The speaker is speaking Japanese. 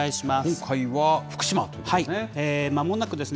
今回は福島ということですね。